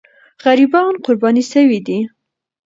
غریبان قرباني سوي دي.